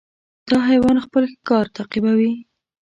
دا حیوان خپل ښکار تعقیبوي.